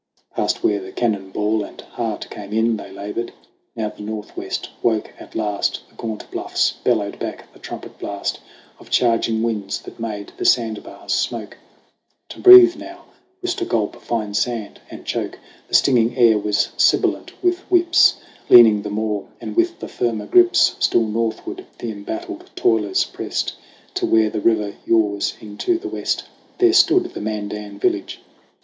Past where the Cannon Ball and Heart come in They labored. Now the Northwest 'woke at last. The gaunt bluffs bellowed back the trumpet blast Of charging winds that made the sandbars smoke. To breathe now was to gulp fine sand, and choke : The stinging air was sibilant with whips. Leaning the more and with the firmer grips, Still northward the embattled toilers pressed To where the river yaws into the west. There stood the Mandan village.